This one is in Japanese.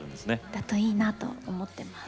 だといいなと思っています。